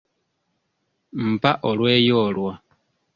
Mpa olweyo olwo.